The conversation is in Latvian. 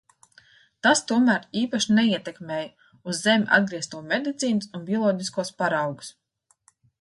Tas tomēr īpaši neietekmēja uz zemi atgriezto medicīnas un bioloģiskos paraugus.